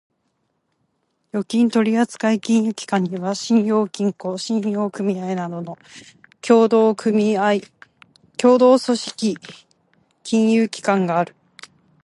預金取扱金融機関には、信用金庫、信用組合などの協同組織金融機関がある。